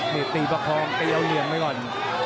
นี่ตีประพองเตรียวเลียงไปก่อน